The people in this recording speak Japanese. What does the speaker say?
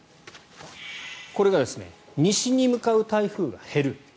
これが西に向かう台風が減る。